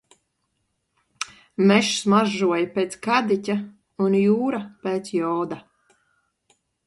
Mežs smaržoja pēc kadiķa un jūra pēc joda.